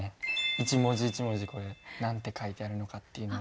一文字一文字これ何て書いてあるのかっていうのが。